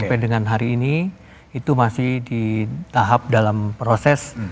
sampai dengan hari ini itu masih di tahap dalam proses